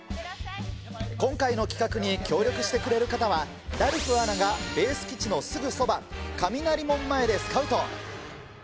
今回の企画に協力してくれる方は、ラルフアナがベース基地のすぐそば、雷門前でスカウト。